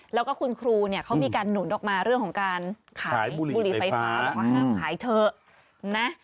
แล้วก็คุณครูเขามีการหนุนออกมาเรื่องของการขายบุหรี่ไฟฟ้าขายเถอะ